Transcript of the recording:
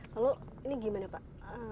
lalu ini gimana pak